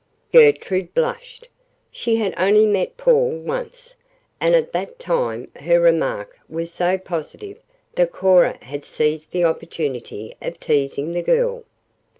Gertrude blushed. She had only met Paul once, and at that time her remark was so positive that Cora had seized the opportunity of teasing the girl.